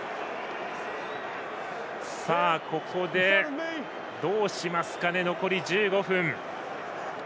ここでどうしますかね残り１５分。